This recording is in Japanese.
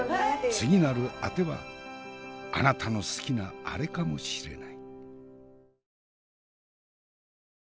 次なるあてはあなたの好きなあれかもしれない。